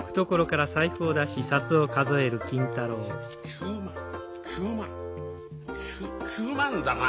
９万９万９万だな。